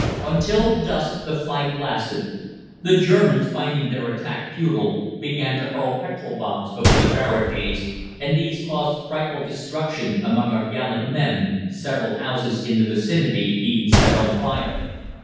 "Until dusk the fight lasted. The Germans, finding their attack futile, began to hurl petrol bombs over the barricades and these caused frightful destruction among our gallant men, several houses in the vicinity being set on fire.